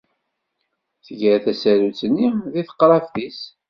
Tger tasarut-nni deg teqrabt-is.